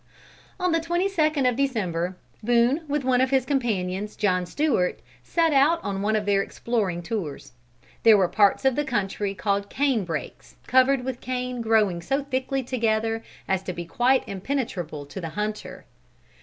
On the twenty second of December, Boone, with one of his companions, John Stewart, set out on one of their exploring tours. There were parts of the country called cane brakes, covered with cane growing so thickly together as to be quite impenetrable to the hunter.